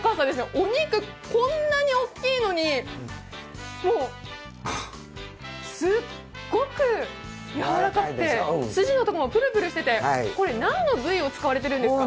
お肉、こんなに大きいのにすっごく柔らかくて筋のところもプルプルしてて、これ何の部位を使われてるんですか？